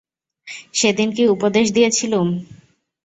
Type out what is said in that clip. সেদিন কী উপদেশ দিয়েছিলুম।